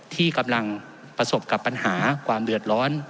ที่กำลังประสบกับปัญหาความเดือดร้อน